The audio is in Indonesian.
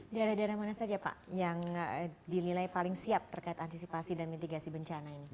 daerah daerah mana saja pak yang dinilai paling siap terkait antisipasi dan mitigasi bencana ini